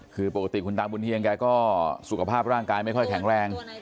คือปกติคุณตาบุญเฮียงแกก็สุขภาพร่างกายไม่ค่อยแข็งแรง